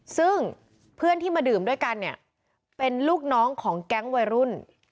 ซึ่งเพื่อนที่มาดื่มด้วยกันเนี่ยเป็นลูกน้องของแก๊งวัยรุ่น